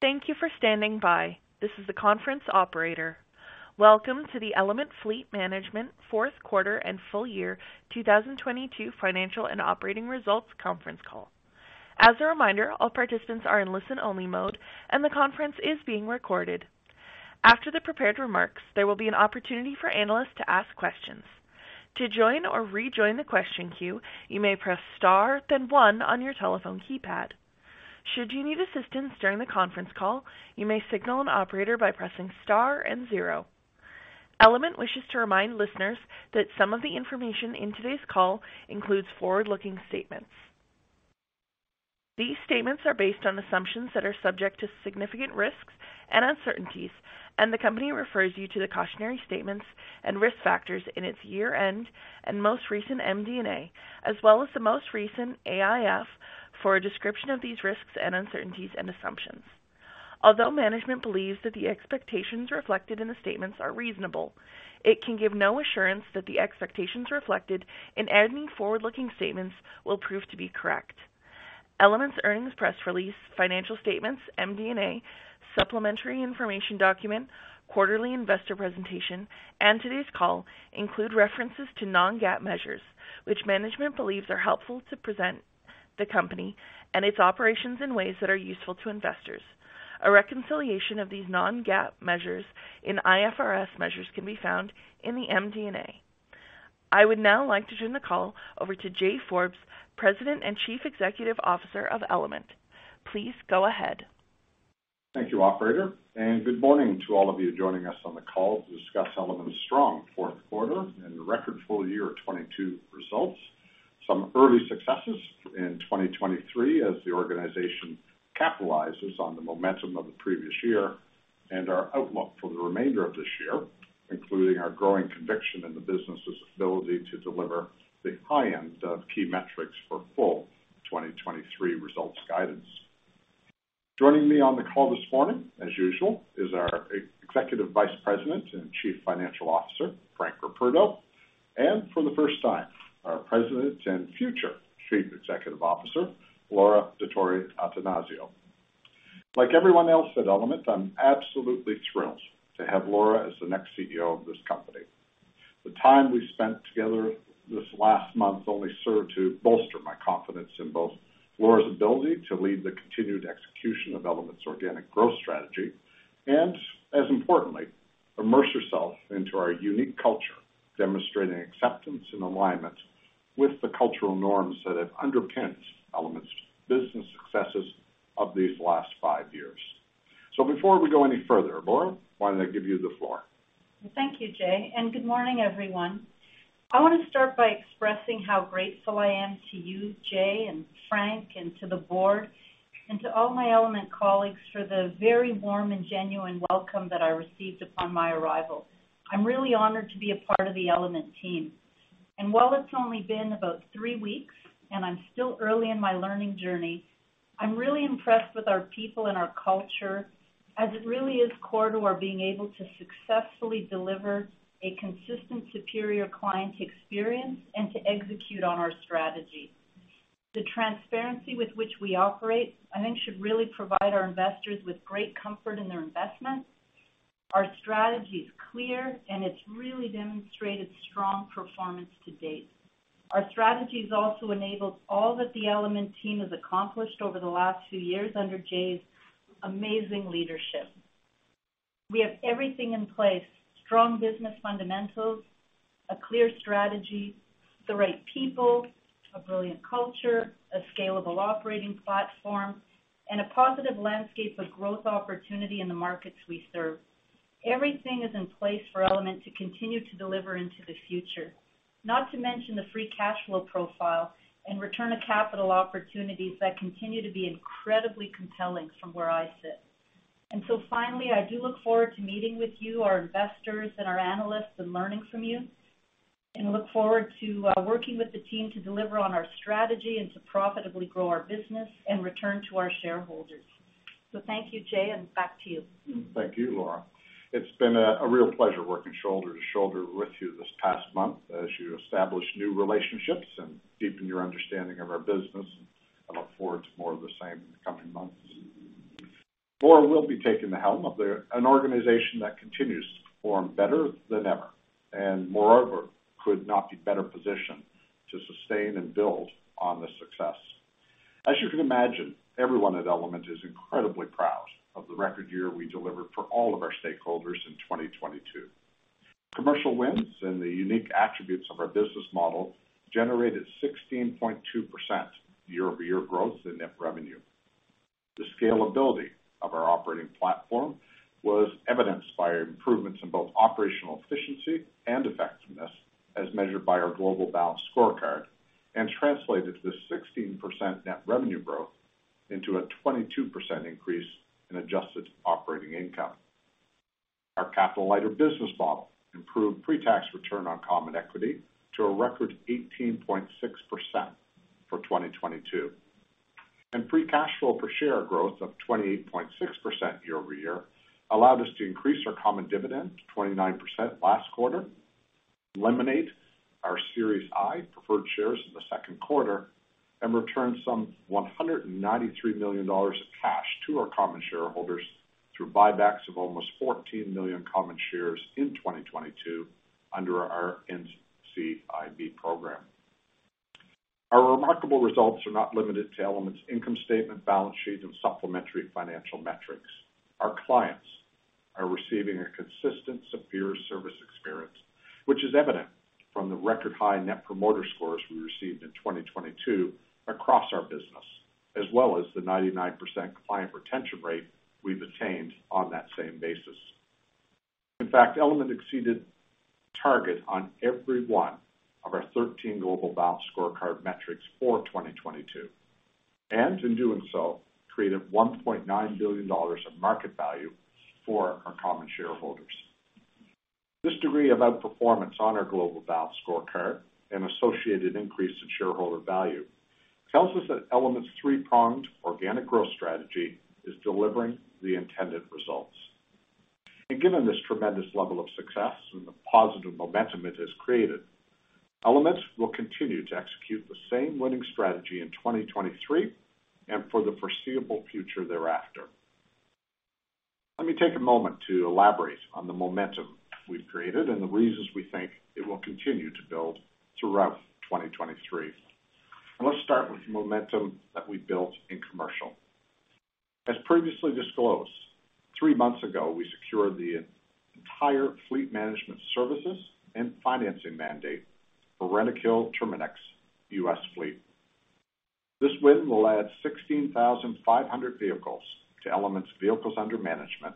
Thank you for standing by. This is the conference operator. Welcome to the Element Fleet Management fourth quarter and full year 2022 financial and operating results conference call. As a reminder, all participants are in listen-only mode, and the conference is being recorded. After the prepared remarks, there will be an opportunity for analysts to ask questions. To join or rejoin the question queue, you may press star then one on your telephone keypad. Should you need assistance during the conference call, you may signal an operator by pressing star and zero. Element wishes to remind listeners that some of the information in today's call includes forward-looking statements. These statements are based on assumptions that are subject to significant risks and uncertainties, the company refers you to the cautionary statements and risk factors in its year-end and most recent MD&A, as well as the most recent AIF for a description of these risks and uncertainties and assumptions. Although management believes that the expectations reflected in the statements are reasonable, it can give no assurance that the expectations reflected in any forward-looking statements will prove to be correct Element's earnings press release, financial statements, MD&A, supplementary information document, quarterly investor presentation, and today's call include references to non-GAAP measures, which management believes are helpful to present the company and its operations in ways that are useful to investors. A reconciliation of these non-GAAP measures in IFRS measures can be found in the MD&A. I would now like to turn the call over to Jay Forbes, President and Chief Executive Officer of Element. Please go ahead. Thank you, operator, and good morning to all of you joining us on the call to discuss Element's strong fourth quarter and record full year 22 results, some early successes in 2023 as the organization capitalizes on the momentum of the previous year and our outlook for the remainder of this year, including our growing conviction in the business's ability to deliver the high end of key metrics for full 2023 results guidance. Joining me on the call this morning, as usual, is our Executive Vice President and Chief Financial Officer, Frank Ruperto, and for the first time, our President and future Chief Executive Officer, Laura Dottori-Attanasio. Like everyone else at Element, I'm absolutely thrilled to have Laura as the next CEO of this company. The time we've spent together this last month only served to bolster my confidence in both Laura's ability to lead the continued execution of Element's organic growth strategy and, as importantly, immerse herself into our unique culture, demonstrating acceptance and alignment with the cultural norms that have underpinned Element's business successes of these last five years. Before we go any further, Laura, why don't I give you the floor? Thank you, Jay, and good morning, everyone. I want to start by expressing how grateful I am to you, Jay and Frank, and to the board and to all my Element colleagues for the very warm and genuine welcome that I received upon my arrival. I'm really honored to be a part of the Element team. While it's only been about three weeks and I'm still early in my learning journey, I'm really impressed with our people and our culture as it really is core to our being able to successfully deliver a consistent, superior client experience and to execute on our strategy. The transparency with which we operate, I think should really provide our investors with great comfort in their investment. Our strategy is clear, and it's really demonstrated strong performance to date. Our strategy has also enabled all that the Element team has accomplished over the last few years under Jay's amazing leadership. We have everything in place, strong business fundamentals, a clear strategy, the right people, a brilliant culture, a scalable operating platform, and a positive landscape of growth opportunity in the markets we serve. Everything is in place for Element to continue to deliver into the future, not to mention the free cash flow profile and return of capital opportunities that continue to be incredibly compelling from where I sit. Finally, I do look forward to meeting with you, our investors and our analysts, and learning from you, and look forward to working with the team to deliver on our strategy and to profitably grow our business and return to our shareholders. Thank you, Jay, and back to you. Thank you, Laura. It's been a real pleasure working shoulder to shoulder with you this past month as you establish new relationships and deepen your understanding of our business. I look forward to more of the same in the coming months. Laura will be taking the helm of an organization that continues to perform better than ever, and moreover, could not be better positioned to sustain and build on this success. As you can imagine, everyone at Element is incredibly proud of the record year we delivered for all of our stakeholders in 2022. Commercial wins and the unique attributes of our business model generated 16.2% year-over-year growth in net revenue. The scalability of our operating platform was evidenced by improvements in both operational efficiency and effectiveness as measured by our global balanced scorecard and translated the 16% net revenue growth into a 22% increase in adjusted operating income. Our capital-lighter business model improved pre-tax return on common equity to a record 18.6% for 2022. Free cash flow per share growth of 28.6% year-over-year allowed us to increase our common dividend to 29% last quarter. Eliminate our Series I preferred shares in the second quarter and return some $193 million of cash to our common shareholders through buybacks of almost 14 million common shares in 2022 under our NCIB program. Our remarkable results are not limited to Element's income statement, balance sheet, and supplementary financial metrics. Our clients are receiving a consistent, superior service experience, which is evident from the record-high Net Promoter Scores we received in 2022 across our business, as well as the 99% client retention rate we've attained on that same basis. In fact, Element exceeded target on every one of our 13 global balanced scorecard metrics for 2022, in doing so, created $1.9 billion of market value for our common shareholders. This degree of outperformance on our global balanced scorecard and associated increase in shareholder value tells us that Element's three-pronged organic growth strategy is delivering the intended results. Given this tremendous level of success and the positive momentum it has created, Element will continue to execute the same winning strategy in 2023 and for the foreseeable future thereafter. Let me take a moment to elaborate on the momentum we've created and the reasons we think it will continue to build throughout 2023. Let's start with the momentum that we built in commercial. As previously disclosed, 3 months ago, we secured the entire fleet management services and financing mandate for Rentokil Terminix U.S. fleet. This win will add 16,500 vehicles to Element's vehicles under management,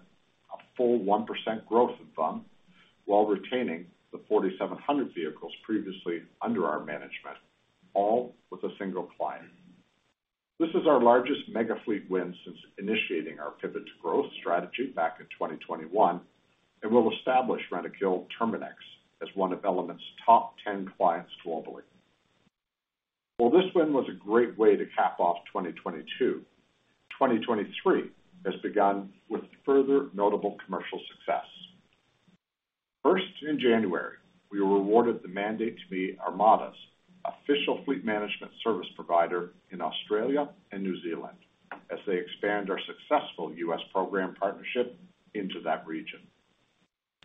a full 1% growth in VUM, while retaining the 4,700 vehicles previously under our management, all with a single client. This is our largest mega fleet win since initiating our Pivot to Growth strategy back in 2021, and will establish Rentokil Terminix as one of Element's top 10 clients globally. While this win was a great way to cap off 2022, 2023 has begun with further notable commercial success. In January, we were awarded the mandate to be Armada's official fleet management service provider in Australia and New Zealand as they expand our successful U.S. program partnership into that region.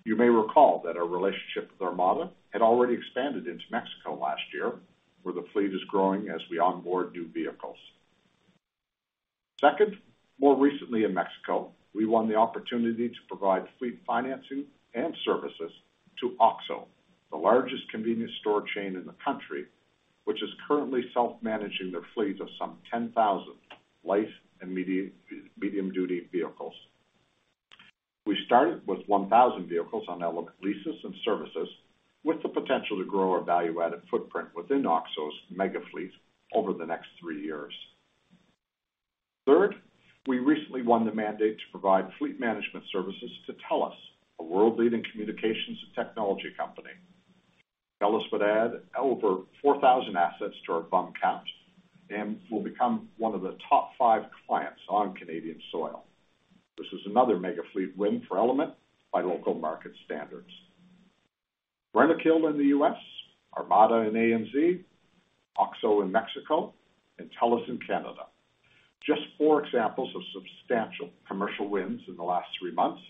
You may recall that our relationship with Armada had already expanded into Mexico last year, where the fleet is growing as we onboard new vehicles. More recently in Mexico, we won the opportunity to provide fleet financing and services to OXXO, the largest convenience store chain in the country, which is currently self-managing their fleet of some 10,000 light and medium-duty vehicles. We started with 1,000 vehicles on our leases and services with the potential to grow our value-added footprint within OXXO's mega fleet over the next three years. We recently won the mandate to provide fleet management services to TELUS, a world-leading communications and technology company. TELUS would add over 4,000 assets to our VUM count and will become one of the top 5 clients on Canadian soil. This is another mega fleet win for Element by local market standards. Rentokil in the U.S., Armada in ANZ, OXXO in Mexico, and TELUS in Canada. Just 4 examples of substantial commercial wins in the last 3 months,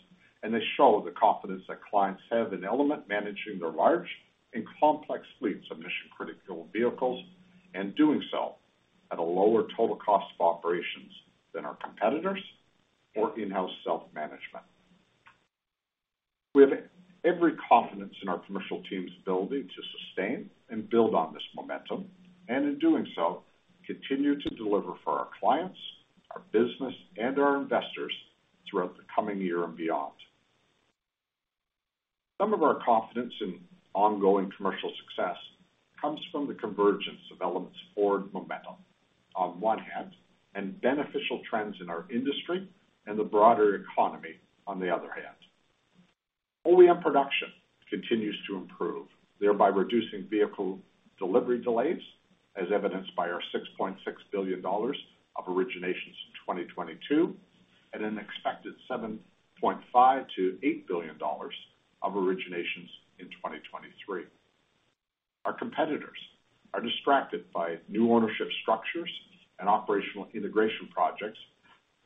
and they show the confidence that clients have in Element managing their large and complex fleets of mission-critical vehicles and doing so at a lower total cost of operations than our competitors or in-house self-management. We have every confidence in our commercial team's ability to sustain and build on this momentum, and in doing so, continue to deliver for our clients, our business, and our investors throughout the coming year and beyond. Some of our confidence in ongoing commercial success comes from the convergence of Element's forward momentum on one hand, and beneficial trends in our industry and the broader economy on the other hand. OEM production continues to improve, thereby reducing vehicle delivery delays, as evidenced by our $6.6 billion of originations in 2022, at an expected $7.5 billion-$8 billion of originations in 2023. Our competitors are distracted by new ownership structures and operational integration projects,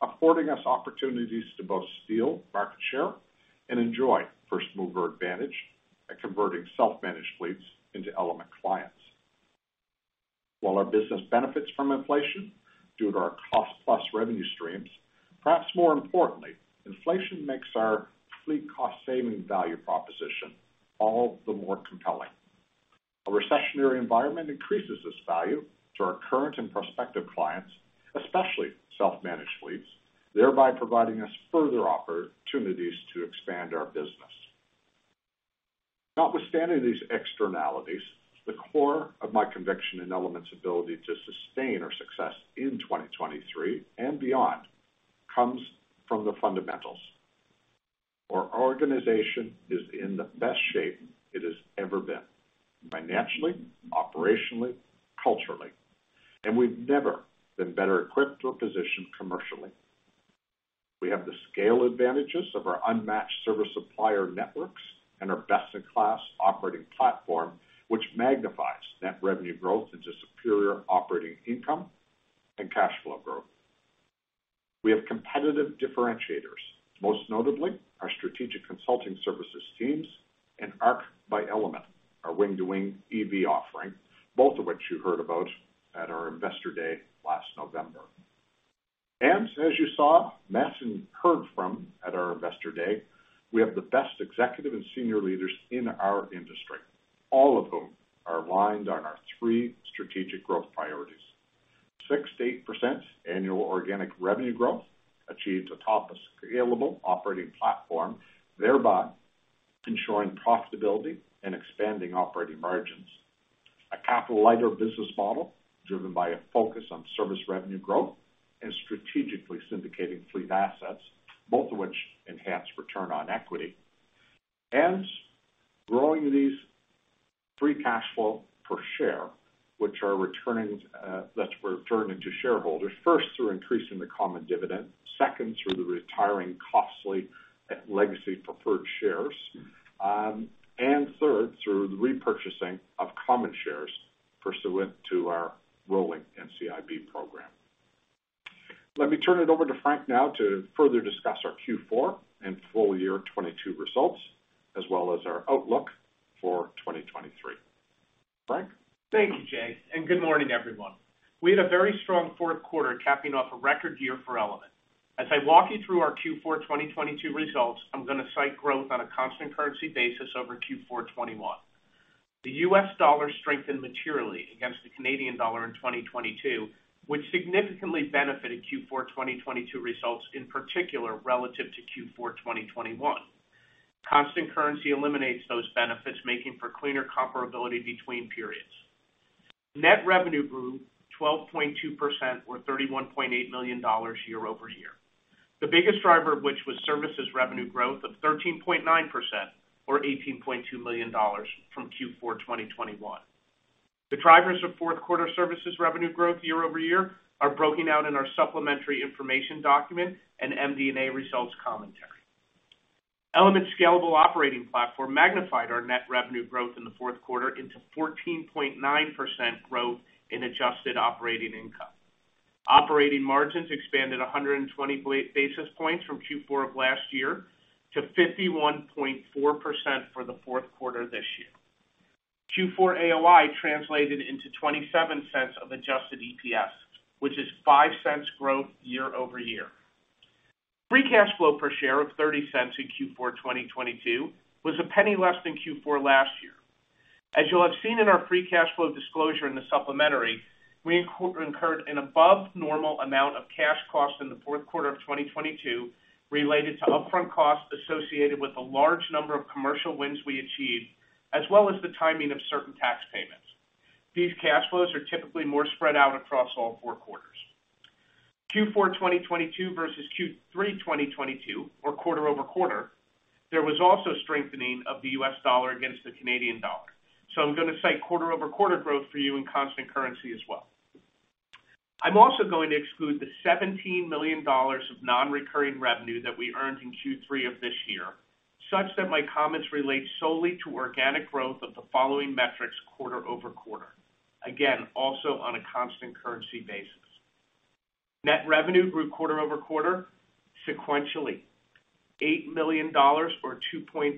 affording us opportunities to both steal market share and enjoy first-mover advantage at converting self-managed fleets into Element clients. While our business benefits from inflation due to our cost-plus revenue streams, perhaps more importantly, inflation makes our fleet cost-saving value proposition all the more compelling. A recessionary environment increases this value to our current and prospective clients, especially self-managed fleets, thereby providing us further opportunities to expand our business. Notwithstanding these externalities, the core of my conviction in Element's ability to sustain our success in 2023 and beyond comes from the fundamentals. Our organization is in the best shape it has ever been, financially, operationally, culturally, and we've never been better equipped or positioned commercially. We have the scale advantages of our unmatched service supplier networks and our best-in-class operating platform, which magnifies net revenue growth into superior operating income and cash flow growth. We have competitive differentiators, most notably our strategic consulting services teams and Arc by Element, our wing-to-wing EV offering, both of which you heard about at our Investor Day last November. As you saw Matt heard from at our Investor Day, we have the best executive and senior leaders in our industry, all of whom are aligned on our 3 strategic growth priorities. 6%-8% annual organic revenue growth achieved atop a scalable operating platform, thereby ensuring profitability and expanding operating margins. A capital-lighter business model driven by a focus on service revenue growth and strategically syndicating fleet assets, both of which enhance return on equity. Growing these free cash flow per share, which are returning, that's returned into shareholders, 1st, through increasing the common dividend. 2nd, through the retiring costly legacy preferred shares. 3rd, through the repurchasing of common shares pursuant to our rolling NCIB program. Let me turn it over to Frank now to further discuss our Q4 and full year 2022 results, as well as our outlook for 2023. Frank? Thank you, Jay. Good morning, everyone. We had a very strong fourth quarter capping off a record year for Element. As I walk you through our Q4 2022 results, I'm gonna cite growth on a constant currency basis over Q4 2021. The US dollar strengthened materially against the Canadian dollar in 2022, which significantly benefited Q4 2022 results, in particular, relative to Q4 2021. Constant currency eliminates those benefits, making for cleaner comparability between periods. Net revenue grew 12.2% or $31.8 million year-over-year. The biggest driver of which was services revenue growth of 13.9% or $18.2 million from Q4 2021. The drivers of fourth quarter services revenue growth year-over-year are broken out in our supplementary information document and MD&A results commentary. Element scalable operating platform magnified our net revenue growth in the fourth quarter into 14.9% growth in adjusted operating income. Operating margins expanded 120 basis points from Q4 of last year to 51.4% for the fourth quarter this year. Q4 AOI translated into $0.27 of adjusted EPS, which is $0.05 growth year-over-year. Free cash flow per share of $0.30 in Q4 2022 was $0.01 less than Q4 last year. As you'll have seen in our free cash flow disclosure in the supplementary, we incurred an above normal amount of cash costs in the fourth quarter of 2022 related to upfront costs associated with a large number of commercial wins we achieved, as well as the timing of certain tax payments. These cash flows are typically more spread out across all four quarters. Q4 2022 versus Q3 2022 or quarter-over-quarter, there was also strengthening of the U.S. dollar against the Canadian dollar. I'm gonna cite quarter-over-quarter growth for you in constant currency as well. I'm also going to exclude the $17 million of non-recurring revenue that we earned in Q3 of this year, such that my comments relate solely to organic growth of the following metrics quarter-over-quarter, again, also on a constant currency basis. Net revenue grew quarter-over-quarter sequentially $8 million or 2.8%,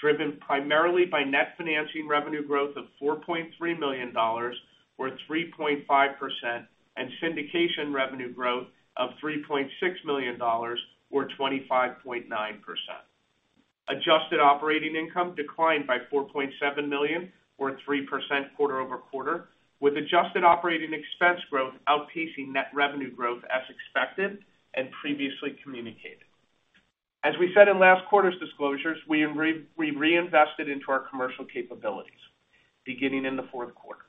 driven primarily by net financing revenue growth of $4.3 million or 3.5%, and syndication revenue growth of $3.6 million or 25.9%. Adjusted operating income declined by $4.7 million or 3% quarter-over-quarter, with adjusted operating expense growth outpacing net revenue growth as expected and previously communicated. As we said in last quarter's disclosures, we reinvested into our commercial capabilities beginning in the fourth quarter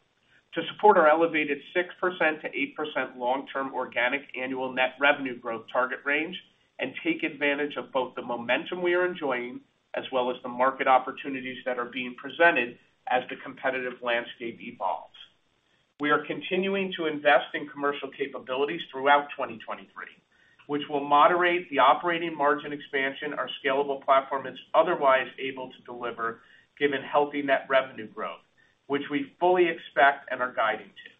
to support our elevated 6%-8% long-term organic annual net revenue growth target range and take advantage of both the momentum we are enjoying as well as the market opportunities that are being presented as the competitive landscape evolves. We are continuing to invest in commercial capabilities throughout 2023, which will moderate the operating margin expansion our scalable platform is otherwise able to deliver given healthy net revenue growth, which we fully expect and are guiding to.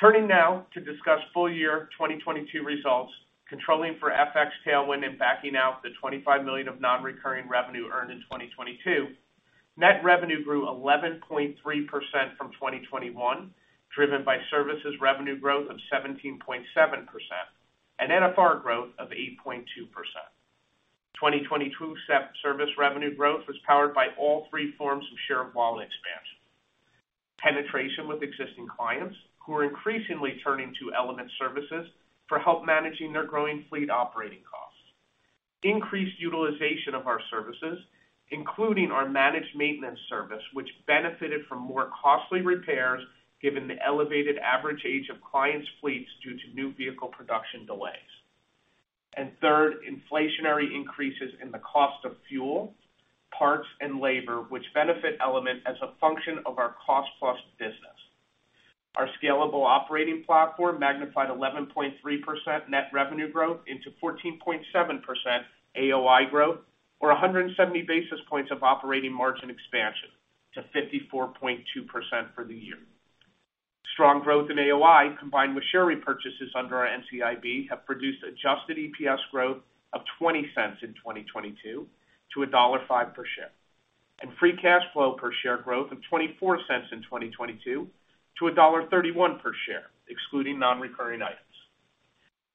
Turning now to discuss full year 2022 results, controlling for FX tailwind and backing out the $25 million of non-recurring revenue earned in 2022, net revenue grew 11.3% from 2021, driven by services revenue growth of 17.7% and NFR growth of 8.2%. 2022 service revenue growth was powered by all three forms of share wallet expansion. Penetration with existing clients who are increasingly turning to Element services for help managing their growing fleet operating costs. Increased utilization of our services, including our Managed Maintenance service, which benefited from more costly repairs given the elevated average age of clients' fleets due to new vehicle production delays. Third, inflationary increases in the cost of fuel, parts, and labor which benefit Element as a function of our cost-plus business. Our scalable operating platform magnified 11.3% net revenue growth into 14.7% AOI growth or 170 basis points of operating margin expansion to 54.2% for the year. Strong growth in AOI, combined with share repurchases under our NCIB, have produced adjusted EPS growth of $0.20 in 2022 to $1.05 per share, and free cash flow per share growth of $0.24 in 2022 to $1.31 per share, excluding non-recurring items.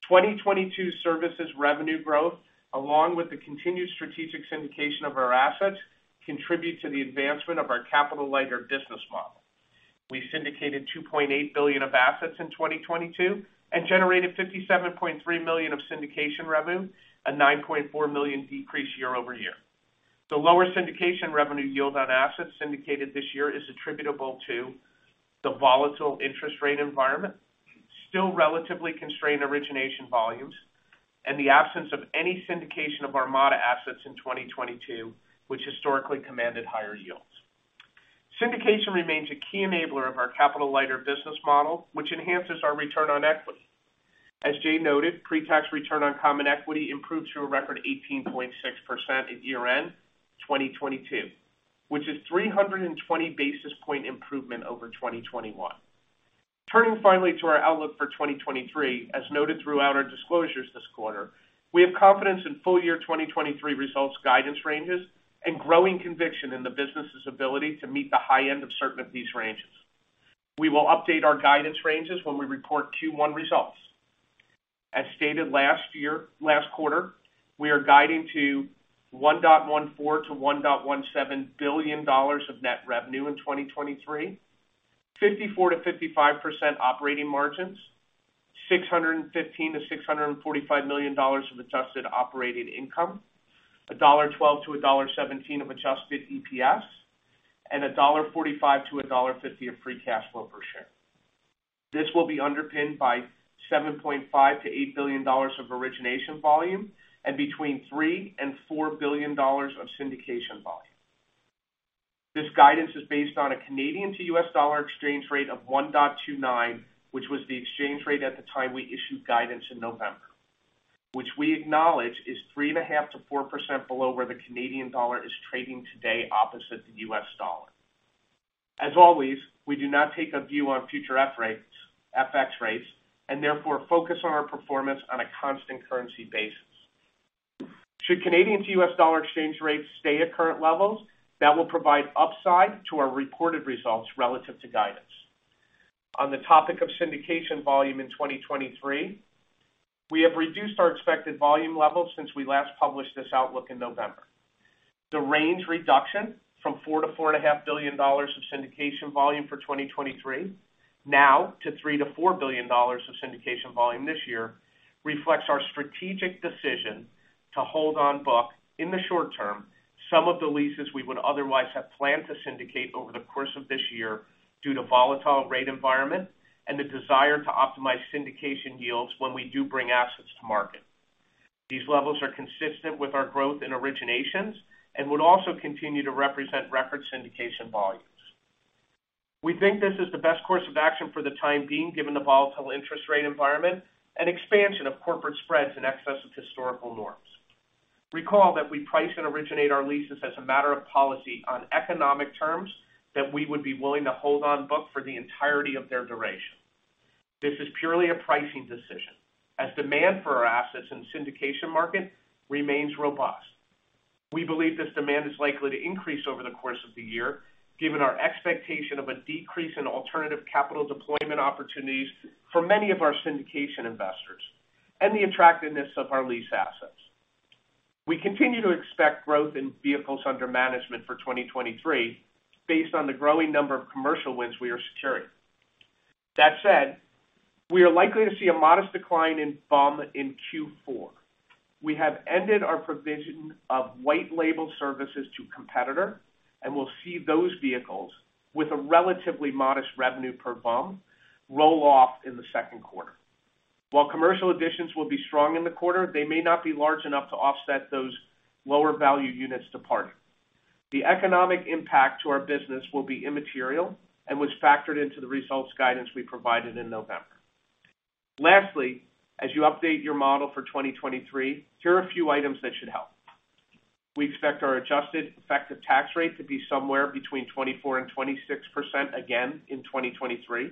2022 services revenue growth, along with the continued strategic syndication of our assets, contribute to the advancement of our capital-lighter business model. We syndicated $2.8 billion of assets in 2022 and generated $57.3 million of syndication revenue, a $9.4 million decrease year-over-year. The lower syndication revenue yield on assets syndicated this year is attributable to the volatile interest rate environment, still relatively constrained origination volumes, and the absence of any syndication of Armada assets in 2022, which historically commanded higher yields. Syndication remains a key enabler of our capital-lighter business model, which enhances our return on equity. As Jay noted, pre-tax return on common equity improved to a record 18.6% in year-end 2022, which is 320 basis point improvement over 2021. Turning finally to our outlook for 2023, as noted throughout our disclosures this quarter, we have confidence in full year 2023 results guidance ranges and growing conviction in the business's ability to meet the high end of certain of these ranges. We will update our guidance ranges when we report Q1 results. As stated last year, last quarter, we are guiding to $1.14 billion-$1.17 billion of net revenue in 2023, 54%-55% operating margins, $615 million-$645 million of adjusted operating income, $1.12-$1.17 of adjusted EPS, and $1.45-$1.50 of free cash flow per share. This will be underpinned by $7.5 billion-$8 billion of origination volume and between $3 billion and $4 billion of syndication volume. This guidance is based on a Canadian to US dollar exchange rate of 1.29, which was the exchange rate at the time we issued guidance in November, which we acknowledge is 3.5%-4% below where the Canadian dollar is trading today opposite the US dollar. As always, we do not take a view on future FX rates, and therefore focus on our performance on a constant currency basis. Should Canadian to US dollar exchange rates stay at current levels, that will provide upside to our reported results relative to guidance. On the topic of syndication volume in 2023, we have reduced our expected volume levels since we last published this outlook in November. The range reduction from $4 billion to $4 and a half billion of syndication volume for 2023 now to $3 billion-$4 billion of syndication volume this year reflects our strategic decision to hold on book in the short term some of the leases we would otherwise have planned to syndicate over the course of this year due to volatile rate environment and the desire to optimize syndication yields when we do bring assets to market. These levels are consistent with our growth in originations and would also continue to represent record syndication volumes. We think this is the best course of action for the time being, given the volatile interest rate environment and expansion of corporate spreads in excess of historical norms. Recall that we price and originate our leases as a matter of policy on economic terms that we would be willing to hold on book for the entirety of their duration. This is purely a pricing decision, as demand for our assets in the syndication market remains robust. We believe this demand is likely to increase over the course of the year, given our expectation of a decrease in alternative capital deployment opportunities for many of our syndication investors and the attractiveness of our lease assets. We continue to expect growth in vehicles under management for 2023 based on the growing number of commercial wins we are securing. That said, we are likely to see a modest decline in VUM in Q4. We have ended our provision of white label services to competitor. We'll see those vehicles with a relatively modest revenue per VUM roll off in the second quarter. While commercial additions will be strong in the quarter, they may not be large enough to offset those lower value units departing. The economic impact to our business will be immaterial and was factored into the results guidance we provided in November. Lastly, as you update your model for 2023, here are a few items that should help. We expect our adjusted effective tax rate to be somewhere between 24% and 26% again in 2023.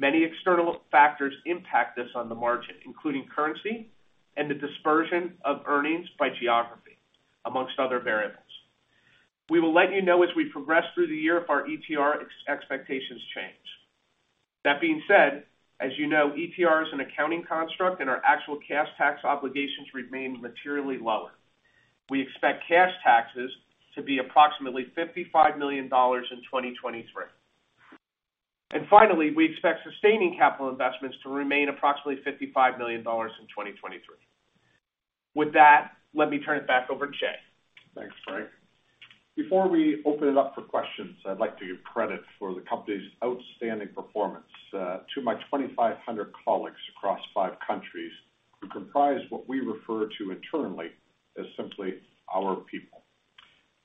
Many external factors impact this on the margin, including currency and the dispersion of earnings by geography, amongst other variables. We will let you know as we progress through the year if our ETR expectations change. That being said, as you know, ETR is an accounting construct, and our actual cash tax obligations remain materially lower. We expect cash taxes to be approximately $55 million in 2023. Finally, we expect sustaining capital investments to remain approximately $55 million in 2023. With that, let me turn it back over to Jay. Thanks, Frank. Before we open it up for questions, I'd like to give credit for the company's outstanding performance to my 2,500 colleagues across 5 countries who comprise what we refer to internally as simply our people.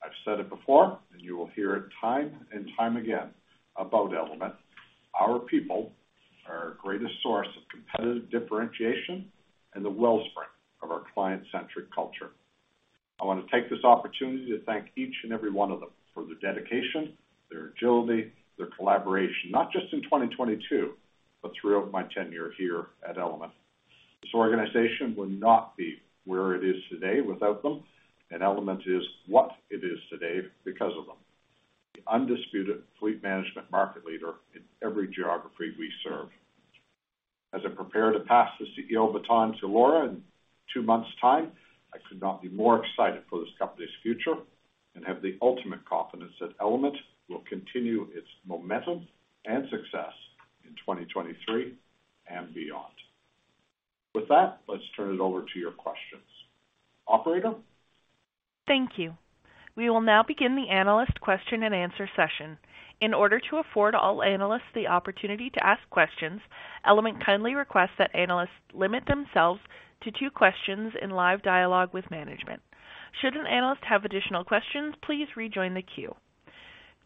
I've said it before, you will hear it time and time again about Element. Our people are our greatest source of competitive differentiation and the wellspring of our client-centric culture. I wanna take this opportunity to thank each and every one of them for their dedication, their agility, their collaboration, not just in 2022, but throughout my tenure here at Element. This organization would not be where it is today without them, Element is what it is today because of them. The undisputed fleet management market leader in every geography we serve. As I prepare to pass the CEO baton to Laura in two months time, I could not be more excited for this company's future and have the ultimate confidence that Element will continue its momentum and success in 2023 and beyond. With that, let's turn it over to your questions. Operator? Thank you. We will now begin the analyst question and answer session. In order to afford all analysts the opportunity to ask questions, Element kindly requests that analysts limit themselves to 2 questions in live dialogue with management. Should an analyst have additional questions, please rejoin the queue.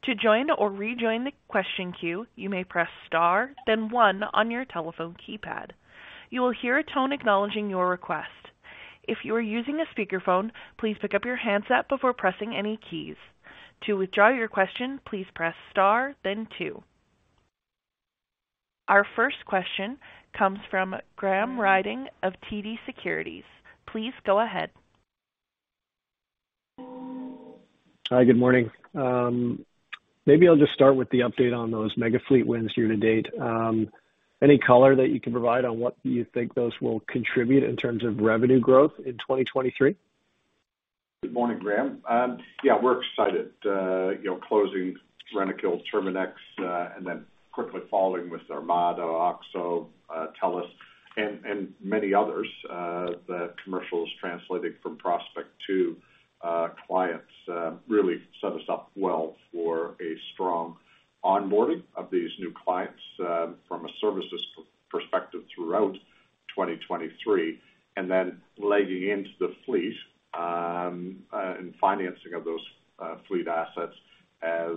To join or rejoin the question queue, you may press star, then 1 on your telephone keypad. You will hear a tone acknowledging your request. If you are using a speakerphone, please pick up your handset before pressing any keys. To withdraw your question, please press star then 2. Our first question comes from Graham Ryding of TD Securities. Please go ahead. Hi, good morning. maybe I'll just start with the update on those mega fleet wins year to date. any color that you can provide on what you think those will contribute in terms of revenue growth in 2023? Good morning, Graham. Yeah, we're excited, you know, closing Rentokil Terminix, and then quickly following with Armada, OXXO, TELUS, and many others, that commercials translating from prospect to clients, really set us up well for a strong onboarding of these new clients, from a services perspective throughout 2023, and then legging into the fleet, and financing of those fleet assets as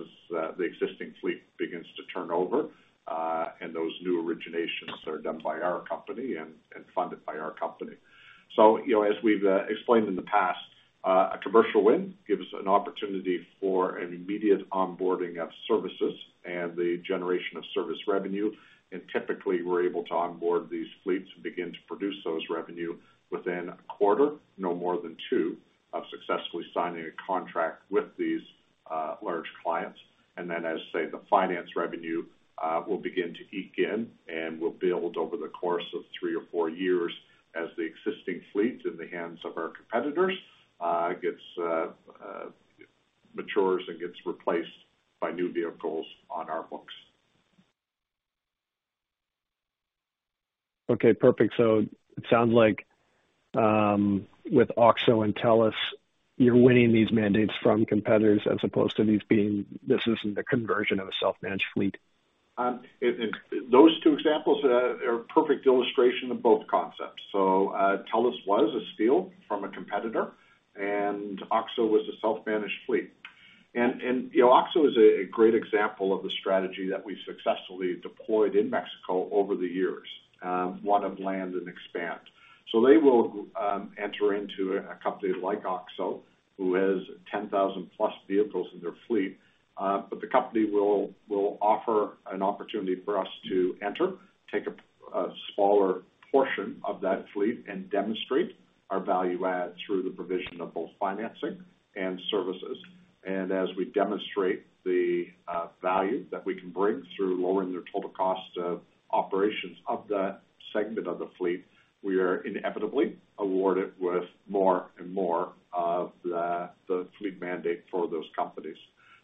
the existing fleet begins to turn over, and those new originations are done by our company and funded by our company. You know, as we've explained in the past, a commercial win gives an opportunity for an immediate onboarding of services and the generation of service revenue. Typically, we're able to onboard these fleets and begin to produce those revenue within a quarter, no more than two, of successfully signing a contract with these large clients. Then, as I say, the finance revenue will begin to eke in, and we'll be able to, over the course of three or four years as the existing fleet in the hands of our competitors, gets, matures and gets replaced by new vehicles on our books. Okay, perfect. It sounds like, with OXO and TELUS, you're winning these mandates from competitors as opposed to these being this isn't a conversion of a self-managed fleet. Those two examples are perfect illustration of both concepts. TELUS was a steal from a competitor, and OXXO was a self-managed fleet. You know, OXXO is a great example of the strategy that we successfully deployed in Mexico over the years, one of land and expand. They will enter into a company like OXXO, who has 10,000+ vehicles in their fleet. The company will offer an opportunity for us to enter, take a smaller portion of that fleet, and demonstrate our value add through the provision of both financing and services. As we demonstrate the value that we can bring through lowering their total cost of operations of that segment of the fleet, we are inevitably awarded with more and more of the fleet mandate for those companies.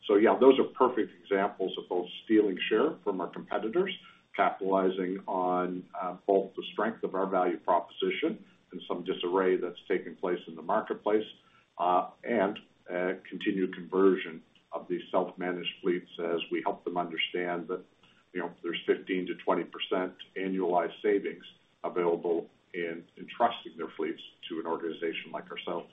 Yeah, those are perfect examples of both stealing share from our competitors, capitalizing on both the strength of our value proposition and some disarray that's taken place in the marketplace, and continued conversion of these self-managed fleets as we help them understand that, you know, there's 15%-20% annualized savings available in entrusting their fleets to an organization like ourselves.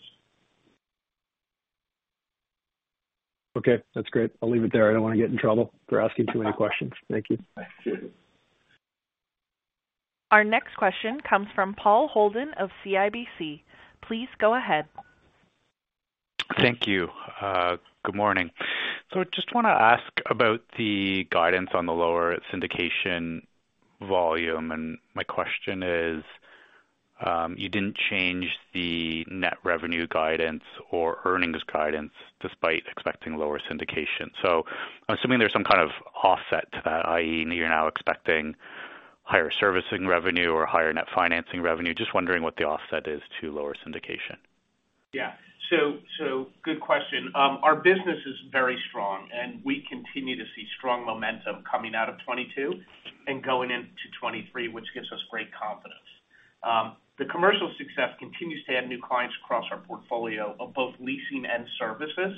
Okay, that's great. I'll leave it there. I don't wanna get in trouble for asking too many questions. Thank you. Our next question comes from Paul Holden of CIBC. Please go ahead. Thank you. Good morning. Just wanna ask about the guidance on the lower syndication volume. My question is, you didn't change the net revenue guidance or earnings guidance despite expecting lower syndication. I'm assuming there's some kind of offset to that, i.e., you're now expecting higher servicing revenue or higher net financing revenue. Just wondering what the offset is to lower syndication. Yeah. Good question. Our business is very strong, and we continue to see strong momentum coming out of 22 and going into 23, which gives us great confidence. The commercial success continues to add new clients across our portfolio of both leasing and services.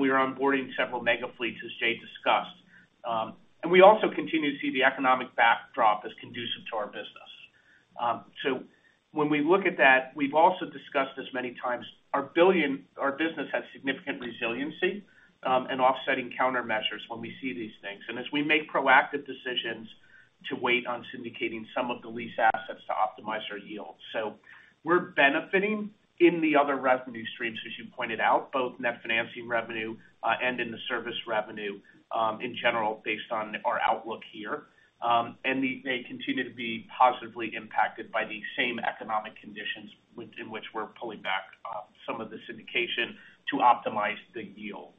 We are onboarding several mega fleets as Jay discussed. We also continue to see the economic backdrop as conducive to our business. When we look at that, we've also discussed this many times. Our business has significant resiliency, and offsetting countermeasures when we see these things, and as we make proactive decisions to wait on syndicating some of the lease assets to optimize our yield. We're benefiting in the other revenue streams, as you pointed out, both net financing revenue, and in the service revenue, in general, based on our outlook here. They continue to be positively impacted by the same economic conditions within which we're pulling back, some of the syndication to optimize the yield.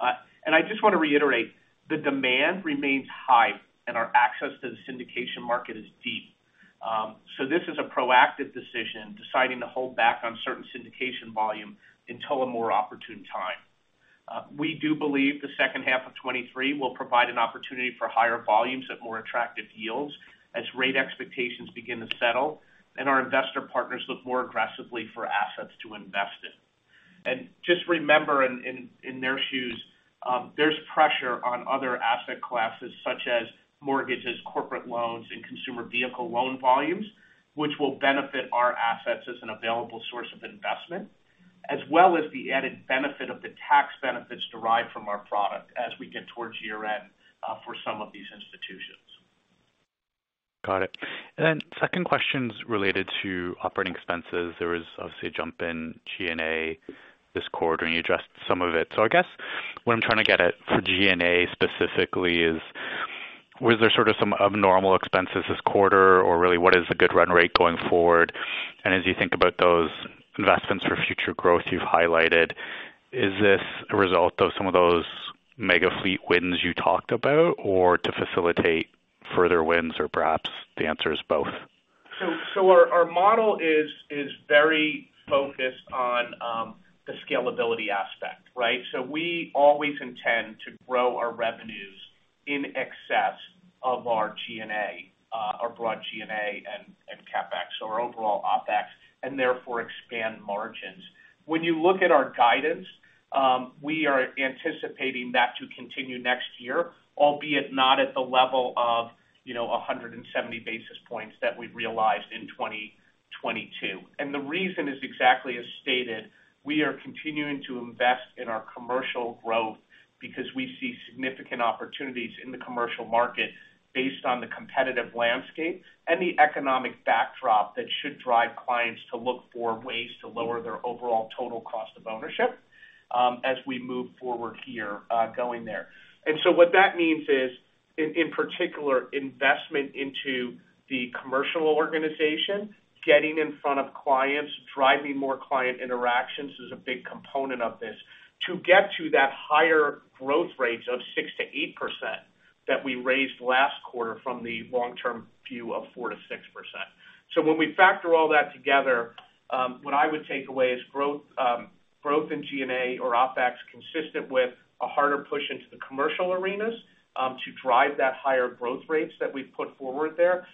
I just wanna reiterate, the demand remains high, and our access to the syndication market is deep. This is a proactive decision, deciding to hold back on certain syndication volume until a more opportune time. We do believe the second half of 2023 will provide an opportunity for higher volumes at more attractive yields as rate expectations begin to settle and our investor partners look more aggressively for assets to invest in. Just remember in their shoes, there's pressure on other asset classes such as mortgages, corporate loans, and consumer vehicle loan volumes, which will benefit our assets as an available source of investment, as well as the added benefit of the tax benefits derived from our product as we get towards year-end for some of these institutions. Got it. Second question's related to operating expenses. There was obviously a jump in G&A this quarter, and you addressed some of it. I guess what I'm trying to get at for G&A specifically is, was there sort of some abnormal expenses this quarter, or really what is a good run rate going forward? As you think about those investments for future growth you've highlighted, is this a result of some of those mega fleet wins you talked about or to facilitate further wins, or perhaps the answer is both? Our model is very focused on the scalability aspect, right. We always intend to grow our revenues in excess of our G&A, our broad G&A and CapEx or overall OpEx, and therefore expand margins. When you look at our guidance, we are anticipating that to continue next year, albeit not at the level of, you know, 170 basis points that we realized in 2022. The reason is exactly as stated: We are continuing to invest in our commercial growth because we see significant opportunities in the commercial market based on the competitive landscape and the economic backdrop that should drive clients to look for ways to lower their overall total cost of ownership, as we move forward here, going there. What that means is, in particular, investment into the commercial organization, getting in front of clients, driving more client interactions is a big component of this to get to that higher growth rates of 6%-8% that we raised last quarter from the long-term view of 4%-6%. When we factor all that together, what I would take away is growth in G&A or OpEx consistent with a harder push into the commercial arenas to drive that higher growth rates that we've put forward there.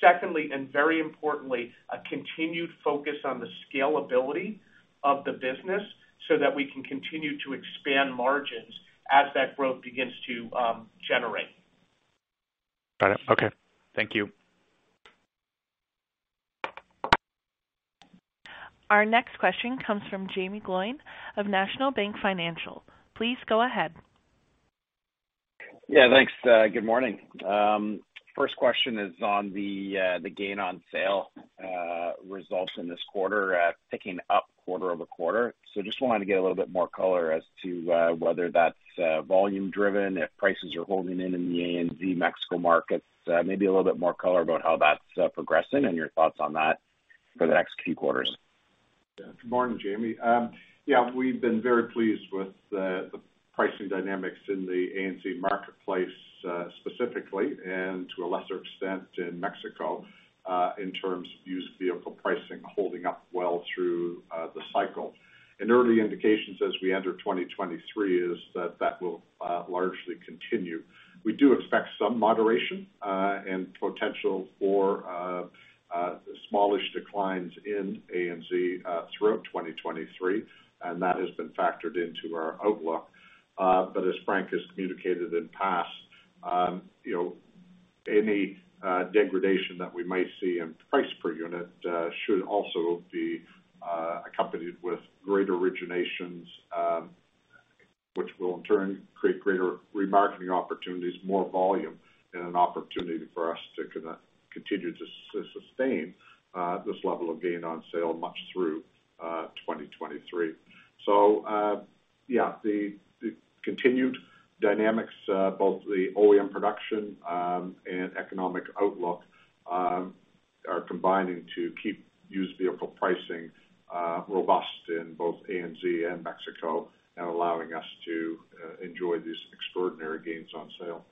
Secondly, and very importantly, a continued focus on the scalability of the business so that we can continue to expand margins as that growth begins to generate. Got it. Okay. Thank you. Our next question comes from Jaeme Gloyn of National Bank Financial. Please go ahead. Yeah, thanks. Good morning. First question is on the gain on sale results in this quarter, picking up quarter-over-quarter. Just wanted to get a little bit more color as to whether that's volume driven, if prices are holding in the ANZ Mexico markets. Maybe a little bit more color about how that's progressing and your thoughts on that for the next few quarters? Good morning, Jaeme. We've been very pleased with the pricing dynamics in the ANZ marketplace, specifically and to a lesser extent in Mexico, in terms of used vehicle pricing holding up well through the cycle. Early indications as we enter 2023 is that that will largely continue. We do expect some moderation and potential for smallish declines in ANZ throughout 2023, and that has been factored into our outlook. As Frank has communicated in the past, you know, any degradation that we might see in price per unit should also be accompanied with great originations, which will in turn create greater remarketing opportunities, more volume, and an opportunity for us to kinda continue to sustain this level of gain on sale much through 2023. The continued dynamics, both the OEM production, and economic outlook, are combining to keep used vehicle pricing robust in both ANZ and Mexico and allowing us to enjoy these extraordinary gains on sale.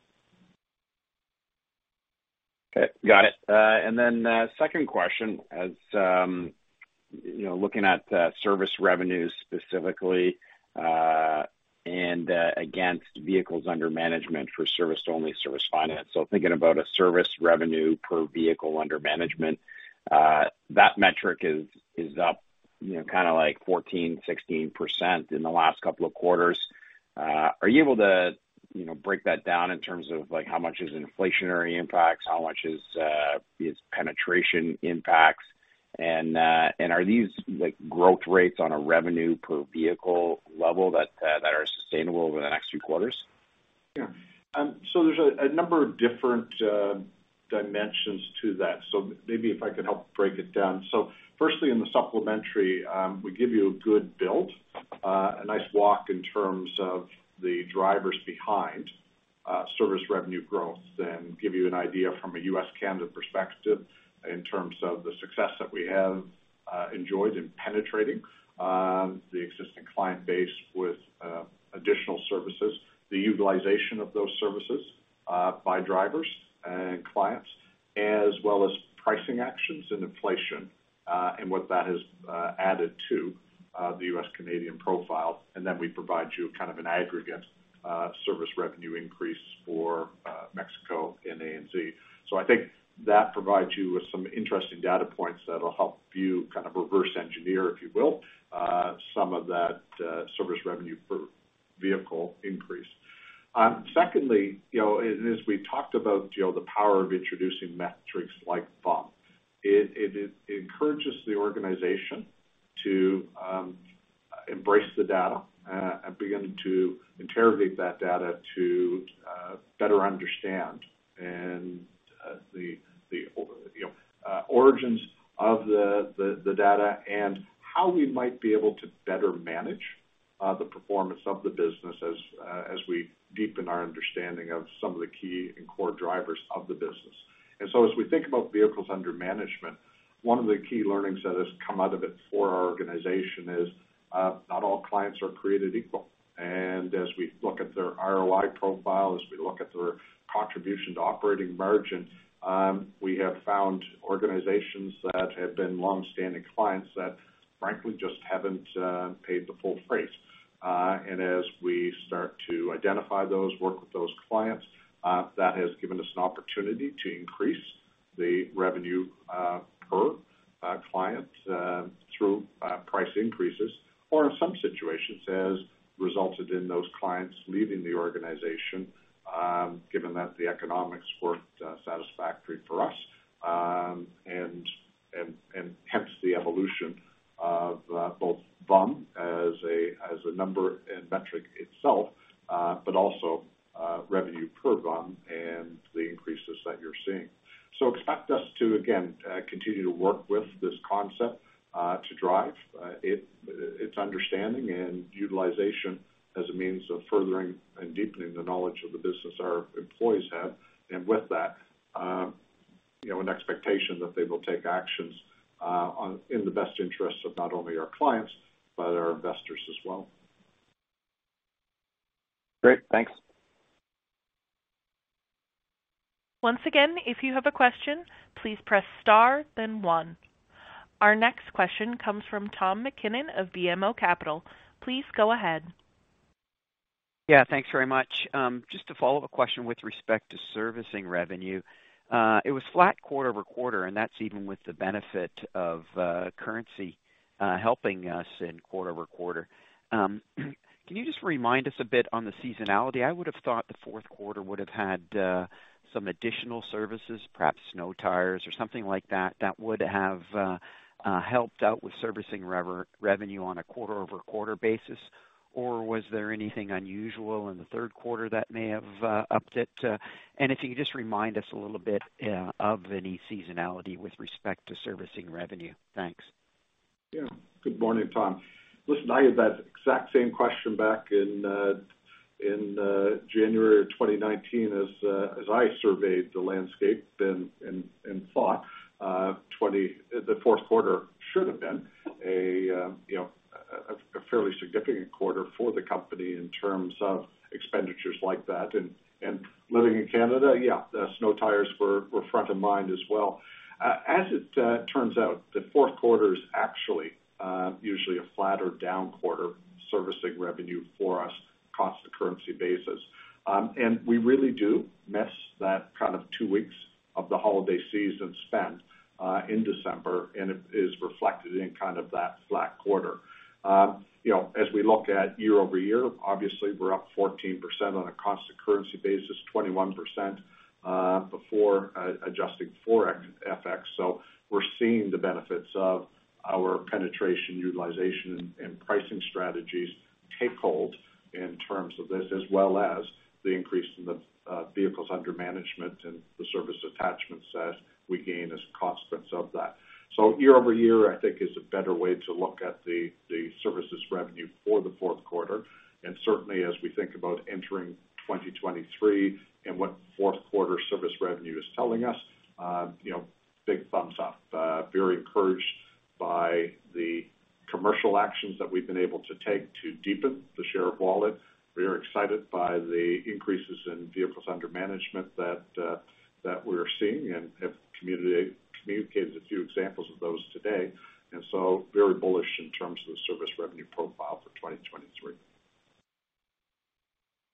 Okay, got it. Second question. As, you know, looking at, service revenues specifically, and, against vehicles under management for service-only service finance. Thinking about a service revenue per vehicle under management, That metric is up, you know, kind of like 14%, 16% in the last couple of quarters. Are you able to, you know, break that down in terms of like how much is inflationary impacts, how much is penetration impacts? Are these like growth rates on a revenue per vehicle level that are sustainable over the next few quarters? Yeah. There's a number of different dimensions to that. Maybe if I could help break it down. Firstly, in the supplementary, we give you a good build, a nice walk in terms of the drivers behind service revenue growth, and give you an idea from a U.S., Canada perspective in terms of the success that we have enjoyed in penetrating the existing client base with additional services, the utilization of those services by drivers and clients, as well as pricing actions and inflation, and what that has added to the U.S., Canadian profile. We provide you kind of an aggregate service revenue increase for Mexico and ANZ. I think that provides you with some interesting data points that'll help you kind of reverse engineer, if you will, some of that service revenue per vehicle increase. Secondly, you know, as we talked about, you know, the power of introducing metrics like VUM, it encourages the organization to embrace the data and begin to interrogate that data to better understand and the, you know, origins of the data and how we might be able to better manage the performance of the business as we deepen our understanding of some of the key and core drivers of the business. As we think about vehicles under management, one of the key learnings that has come out of it for our organization is, not all clients are created equal. As we look at their ROI profile, as we look at their contribution to operating margin, we have found organizations that have been longstanding clients that frankly just haven't paid the full freight. As we start to identify those, work with those clients, that has given us an opportunity to increase the revenue per client through price increases, or in some situations has resulted in those clients leaving the organization, given that the economics weren't satisfactory for us. And hence the evolution of both VUM as a number and metric itself, but also revenue per VUM and the increases that you're seeing. Expect us to again continue to work with this concept to drive its understanding and utilization as a means of furthering and deepening the knowledge of the business our employees have. With that, you know, an expectation that they will take actions on, in the best interests of not only our clients, but our investors as well. Great. Thanks. Once again, if you have a question, please press star then one. Our next question comes from Tom MacKinnon of BMO Capital. Please go ahead. Yeah, thanks very much. Just to follow up a question with respect to servicing revenue. It was flat quarter-over-quarter, that's even with the benefit of currency helping us in quarter-over-quarter. Can you just remind us a bit on the seasonality? I would have thought the fourth quarter would have had some additional services, perhaps snow tires or something like that would have helped out with servicing revenue on a quarter-over-quarter basis. Was there anything unusual in the third quarter that may have upped it to? If you could just remind us a little bit of any seasonality with respect to servicing revenue. Thanks. Yeah. Good morning, Tom. Listen, I had that exact same question back in January of 2019 as I surveyed the landscape and thought the fourth quarter should have been a, you know, a fairly significant quarter for the company in terms of expenditures like that. Living in Canada, yeah, the snow tires were front of mind as well. As it turns out, the fourth quarter is actually usually a flatter down quarter servicing revenue for us cost to currency basis. We really do miss that kind of two weeks of the holiday season spent in December, and it is reflected in kind of that flat quarter. you know, as we look at year-over-year, obviously we're up 14% on a cost to currency basis, 21% before adjusting for FX. We're seeing the benefits of our penetration, utilization, and pricing strategies take hold in terms of this, as well as the increase in the vehicles under management and the service attachments as we gain as consequence of that. Year-over-year, I think is a better way to look at the services revenue for the fourth quarter. Certainly as we think about entering 2023 and what fourth quarter service revenue is telling us, you know, big thumbs up. Very encouraged by the commercial actions that we've been able to take to deepen the share of wallet. We are excited by the increases in vehicles under management that we're seeing and have communicated a few examples of those today, and so very bullish in terms of the service revenue profile for 2023.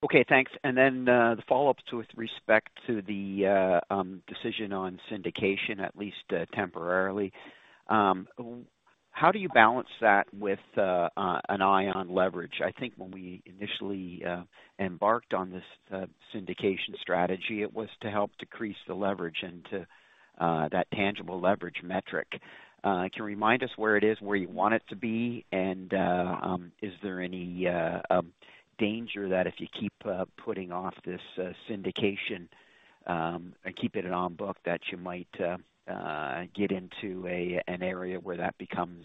Okay, thanks. The follow-up's with respect to the decision on syndication at least temporarily. How do you balance that with an eye on leverage? I think when we initially embarked on this syndication strategy, it was to help decrease the leverage and to that tangible leverage metric. Can you remind us where it is, where you want it to be? Is there any danger that if you keep putting off this syndication and keeping it on book, that you might get into an area where that becomes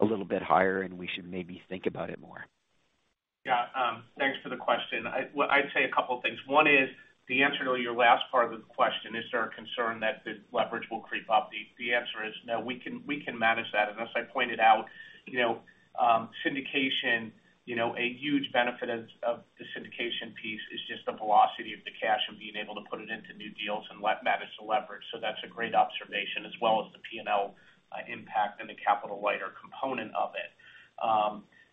a little bit higher, and we should maybe think about it more? Yeah. Thanks for the question. Well, I'd say a couple things. One is the answer to your last part of the question, is there a concern that the leverage will creep up? The answer is no. We can manage that. As I pointed out, you know, syndication, you know, a huge benefit of the syndication piece is just the velocity of the cash and being able to put it into new deals and manage the leverage. That's a great observation as well as the P&L impact and the capital lighter component of it.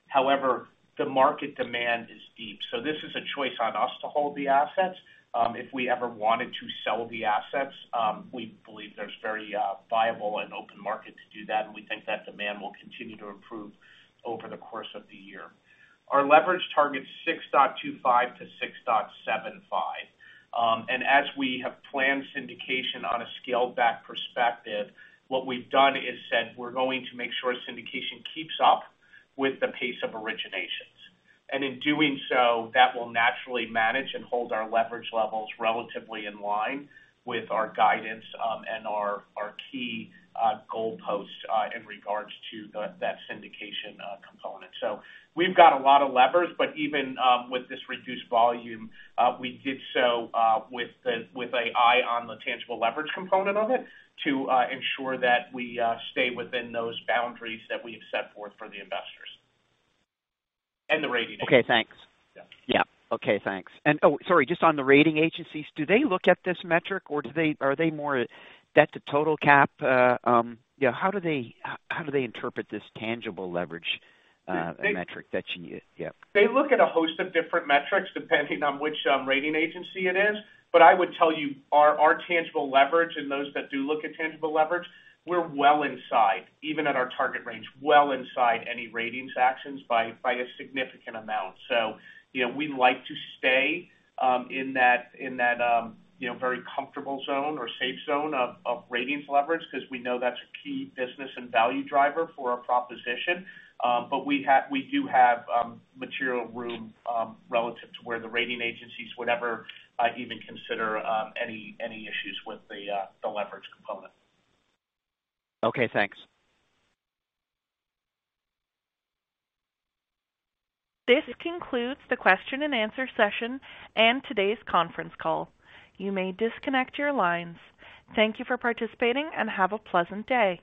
However, the market demand is deep. This is a choice on us to hold the assets. If we ever wanted to sell the assets, we believe there's very viable and open market to do that, and we think that demand will continue to improve over the course of the year. Our leverage target's 6.25-6.75. As we have planned syndication on a scaled back perspective, what we've done is said we're going to make sure syndication keeps up with the pace of originations. In doing so, that will naturally manage and hold our leverage levels relatively in line with our guidance, and our key goalposts in regards to that syndication component. We've got a lot of levers, but even with this reduced volume, we did so with an eye on the tangible leverage component of it to ensure that we stay within those boundaries that we have set forth for the investors and the rating agencies. Okay, thanks. Yeah. Yeah. Okay, thanks. Oh, sorry, just on the rating agencies, do they look at this metric or are they more debt to total cap? Yeah, how do they interpret this tangible leverage metric? They- Yeah. They look at a host of different metrics depending on which rating agency it is. I would tell you our tangible leverage and those that do look at tangible leverage, we're well inside, even at our target range, well inside any ratings actions by a significant amount. You know, we like to stay in that, you know, very comfortable zone or safe zone of ratings leverage because we know that's a key business and value driver for our proposition. We do have material room relative to where the rating agencies would ever even consider any issues with the leverage component. Okay, thanks. This concludes the question and answer session and today's conference call. You may disconnect your lines. Thank you for participating and have a pleasant day.